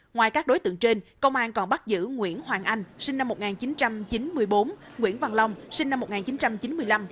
ngoài các đối tượng trên công an còn bắt giữ nguyễn hoàng anh sinh năm một nghìn chín trăm chín mươi bốn nguyễn văn long sinh năm một nghìn chín trăm chín mươi năm